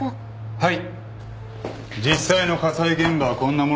はい。